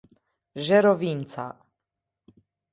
Zherovinca